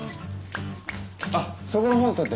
あっそこの本取って。